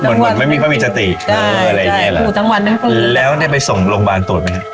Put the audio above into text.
เหมือนคนไม่มีความมีสติเอออะไรอย่างเงี้ยเหรอจังหวานแล้วได้ไปส่งโรงบาลตรวจไหม